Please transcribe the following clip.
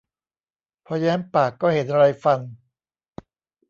พอแย้มปากก็เห็นไรฟัน